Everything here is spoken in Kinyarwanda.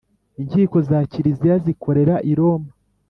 Inkiko za Kiliziya zikorera I Roma